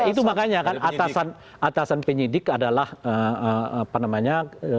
itu makanya kan atasan penyidik adalah apa namanya